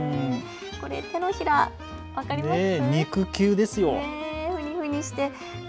これ手のひら、分かります？